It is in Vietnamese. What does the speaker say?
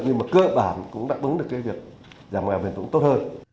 nhưng mà cơ bản cũng đạt đúng được cái việc giảm nghèo bền vững tốt hơn